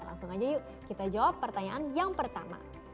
langsung aja yuk kita jawab pertanyaan yang pertama